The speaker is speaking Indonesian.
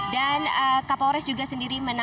dan kapolres bogor sendiri juga mengetahui